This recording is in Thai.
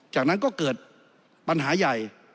จากนั้นก็เกิดปัญหาใหญ่